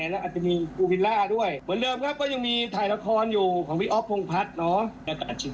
เลยตลาดพิเทศมาเจอเสียงแยกประชากาเสม